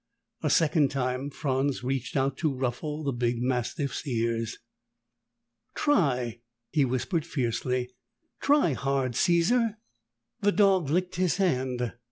A second time Franz reached out to ruffle the big mastiff's ears. "Try!" he whispered fiercely. "Try hard, Caesar!" The dog licked his hand.